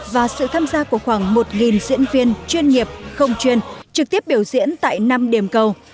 và sự tham gia của khoảng một diễn viên chuyên nghiệp không chuyên trực tiếp biểu diễn tại năm điểm cầu